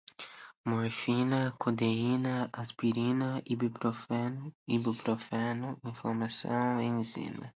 morfina, codeína, aspirina, ibuprofeno, inflamação, enzima